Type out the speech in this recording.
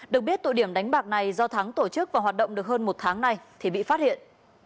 được biết tụ điểm đánh bạc này do thắng tổ chức và hoạt động được hơn một tháng nay thì bị phát hiện